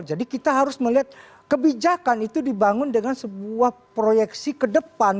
jadi kita harus melihat kebijakan itu dibangun dengan sebuah proyeksi ke depan